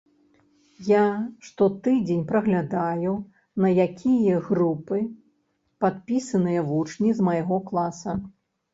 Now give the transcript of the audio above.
Я штотыдзень праглядаю, на якія групы падпісаныя вучні з майго класа.